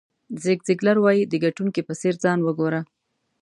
زیګ زیګلر وایي د ګټونکي په څېر ځان وګوره.